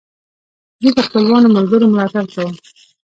زه د خپلو ملګرو ملاتړ کوم.